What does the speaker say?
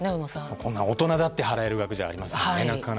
こんなの、大人だって払える額じゃありませんね。